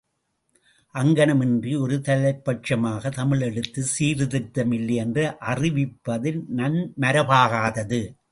அங்ஙணம் இன்றி ஒருதலைப் பட்சமாகத் தமிழ் எழுத்துச் சீர்திருத்தம் இல்லை என்று அறிவிப்பது நன்மரபாகாது.